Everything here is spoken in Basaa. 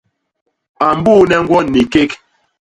A mbuune ñgwo ni kék.